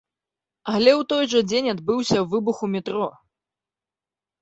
Але ў той жа дзень адбыўся выбух у метро.